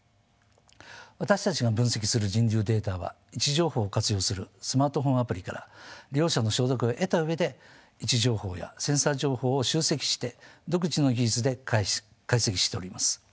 私たちが分析する人流データは位置情報を活用するスマートフォンアプリから利用者の承諾を得た上で位置情報やセンサー情報を集積して独自の技術で解析しております。